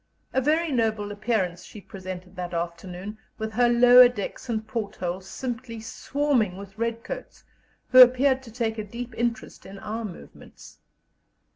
A very noble appearance she presented that afternoon, with her lower decks and portholes simply swarming with red coats, who appeared to take a deep interest in our movements.